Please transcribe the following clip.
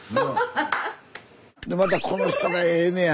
またこの人がええねや。